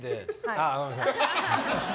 ああ、ごめんなさい。